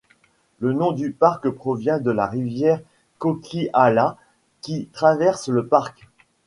Le nom du parc provient de la rivière Coquihalla qui traverse le parc.